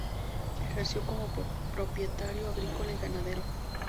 Ejerció como propietario agrícola y ganadero.